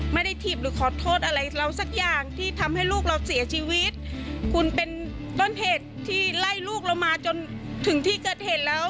ถีบหรือขอโทษอะไรเราสักอย่างที่ทำให้ลูกเราเสียชีวิตคุณเป็นต้นเหตุที่ไล่ลูกเรามาจนถึงที่เกิดเหตุแล้ว